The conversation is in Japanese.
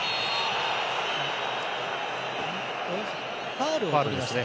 ファウルをとりましたね。